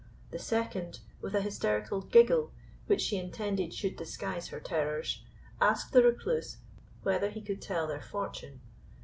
The second, with a hysterical giggle, which she intended should disguise her terrors, asked the Recluse, whether he could tell their fortune.